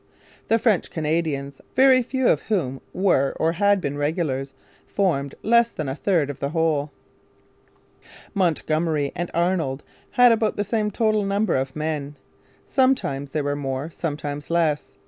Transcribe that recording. The French Canadians, very few of whom were or had been regulars, formed less than a third of the whole. Montgomery and Arnold had about the same total number of men. Sometimes there were more, sometimes less.